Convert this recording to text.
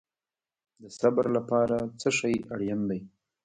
د صبر لپاره څه شی اړین دی؟